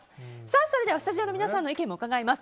それではスタジオの皆さんのご意見も伺います。